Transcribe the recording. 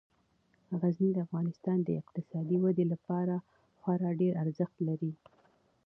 غزني د افغانستان د اقتصادي ودې لپاره خورا ډیر ارزښت لري.